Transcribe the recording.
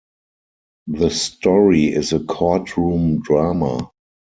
The story is a courtroom drama.